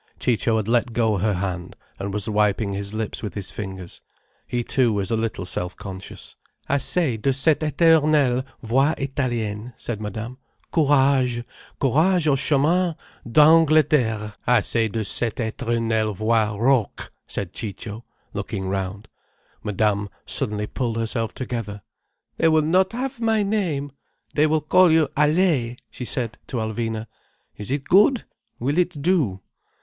Ciccio had let go her hand, and was wiping his lips with his fingers. He too was a little self conscious. "Assez de cette éternelle voix italienne," said Madame. "Courage, courage au chemin d'Angleterre." "Assez de cette éternelle voix rauque," said Ciccio, looking round. Madame suddenly pulled herself together. "They will not have my name. They will call you Allay!" she said to Alvina. "Is it good? Will it do?"